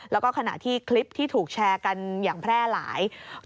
แล้วก็ขณะที่คลิปที่ถูกแชร์กันอย่างแพร่หลาย